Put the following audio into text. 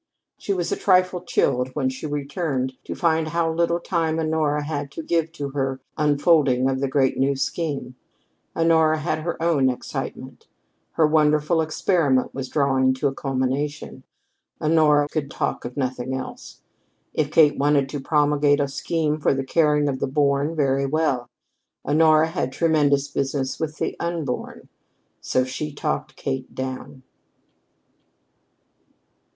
She was a trifle chilled when she returned to find how little time Honora had to give to her unfolding of the great new scheme. Honora had her own excitement. Her wonderful experiment was drawing to a culmination. Honora could talk of nothing else. If Kate wanted to promulgate a scheme for the caring for the Born, very well. Honora had a tremendous business with the Unborn. So she talked Kate down.